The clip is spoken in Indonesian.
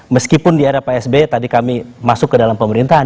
meskipun di era pak sby tadi kami masuk ke dalam pemerintahan